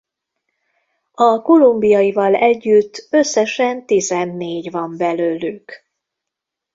A kolumbiaival együtt összesen tizennégy van belőlük.